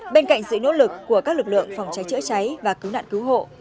bên cạnh sự nỗ lực của các lực lượng phòng cháy chữa cháy và cứu nạn cứu hộ